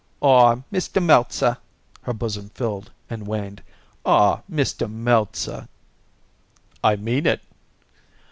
"Aw, Mr. Meltzer!" Her bosom filled and waned. "Aw, Mr. Meltzer!" "I mean it."